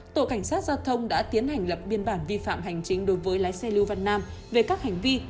tổ cảnh sát giao thông đã tiến hành lập biên bản vi phạm hành chính đối với lái xe lưu văn nam về các hành vi